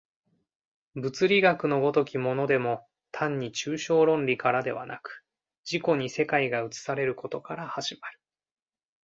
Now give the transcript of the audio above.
物理学の如きものでも単に抽象論理からではなく、自己に世界が映されることから始まる。